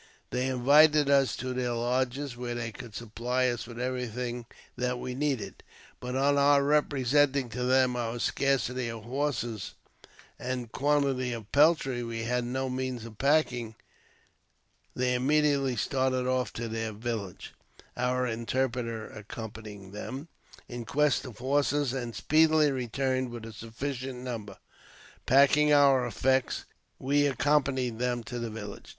They invited us to their lodges, where they could supply us with everything that we needed ; but on our representing to them our scarcity of horses, and the quantity of peltry we had no means of packing, they immediately started off to their village JAMES P. BECKWOURTH. 55 (our interpreter accompanying them) in quest of horses, and speedily returned with a sufficient number. Packing our effects, we accompanied them to their village.